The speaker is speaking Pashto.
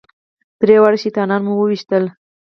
درې واړه شیطانان مو وويشتل.